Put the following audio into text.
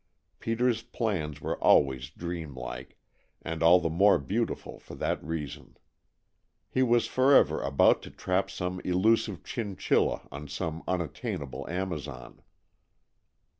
Peter's plans were always dreamlike, and all the more beautiful for that reason. He was forever about to trap some elusive chinchilla on some unattainable Amazon.